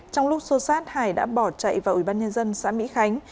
trong lúc xô sát hải đã bỏ chạy vào ủy ban nhân dân xã mỹ khánh